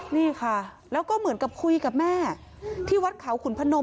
นี่ค่ะแล้วก็เหมือนกับคุยกับแม่ที่วัดเขาขุนพนม